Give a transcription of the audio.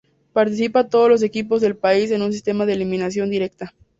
Participan todos los equipos del país en un sistema de eliminación directa.